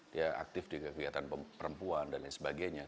dia aktif di kegiatan perempuan dan lain sebagainya